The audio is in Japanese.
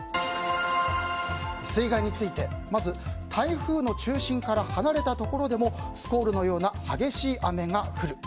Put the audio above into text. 水害についてまず、台風の中心から離れたところでもスコールのような激しい雨が降る。